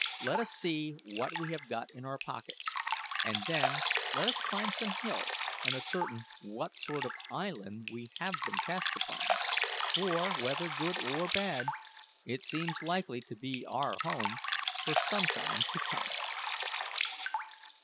Let us see what we have got in our pockets; and then let us climb some hill and ascertain what sort of island we have been cast upon, for, whether good or bad, it seems likely to be our home for some time to come."